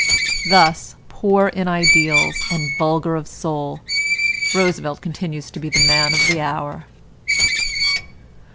Thus, poor in ideals and vulgar of soul, Roosevelt continues to be the man of the hour.